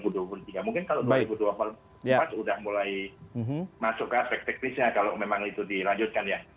mungkin kalau dua ribu dua puluh empat sudah mulai masuk ke aspek teknisnya kalau memang itu dilanjutkan ya